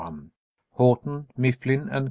_Houghton, Mifflin & Co.